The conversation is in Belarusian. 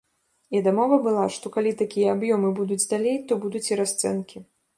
І дамова была, што калі такія аб'ёмы будуць далей, то будуць і расцэнкі.